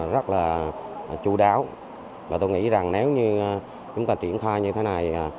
rất là chú đáo và tôi nghĩ rằng nếu như chúng ta triển khai như thế này